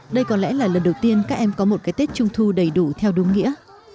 đây có lẽ là lần đầu tiên các em có một cái tết trung thu đầy đủ theo đúng nghĩa